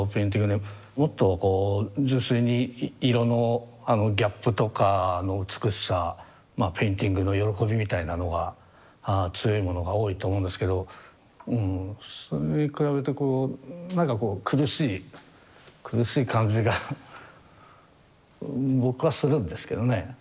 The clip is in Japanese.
もっとこう純粋に色のあのギャップとかの美しさペインティングの喜びみたいなのが強いものが多いと思うんですけどうんそれに比べてこう何か苦しい苦しい感じが僕はするんですけどね。